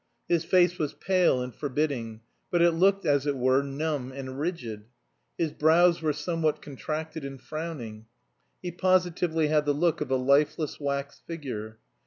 His face was pale and forbidding, but it looked, as it were, numb and rigid. His brows were somewhat contracted and frowning. He positively had the look of a lifeless wax figure.